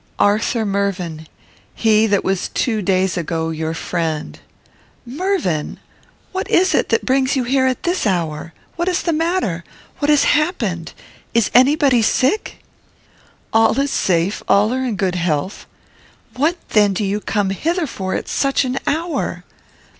"Arthur Mervyn; he that was two days ago your friend." "Mervyn! What is it that brings you here at this hour? What is the matter? What has happened? Is anybody sick?" "All is safe; all are in good health." "What then do you come hither for at such an hour?"